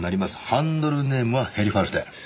ハンドルネームはヘリファルテ。